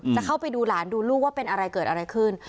จะเข้าไปดูหลานดูลูกว่าเป็นอะไรเกิดอะไรขึ้น